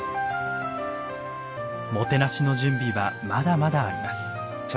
もてなしの準備はまだまだあります。